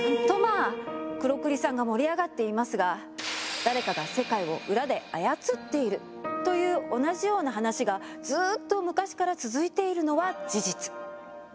とまあ黒クリさんが盛り上がっていますが「誰かが世界を裏で操っている」という同じような話がずっと昔から続いているのは事実。